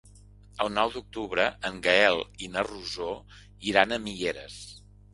El nou d'octubre en Gaël i na Rosó iran a Mieres.